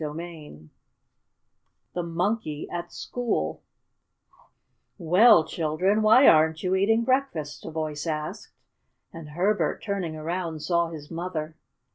CHAPTER II THE MONKEY AT SCHOOL "Well, children, why aren't you eating breakfast?" a voice asked, and Herbert, turning around, saw his mother.